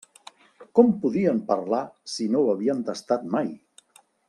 Com podien parlar si no ho havien tastat mai?